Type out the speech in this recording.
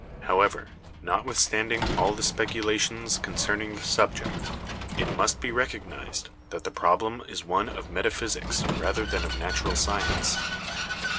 However, notwithstanding all the speculations concern ing the subject, it must be recognised that the problem is THE ORIGIN OF LIFE 45 one of metaphysics rather than of natural science.